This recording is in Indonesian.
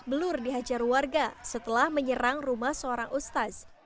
belur dihajar warga setelah menyerang rumah seorang ustaz